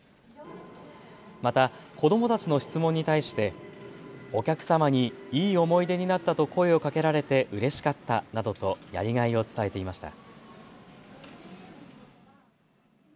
また子どもたちの質問に対してお客様にいい思い出になったと声をかけられてうれしかったなどとやりがいを伝えていました。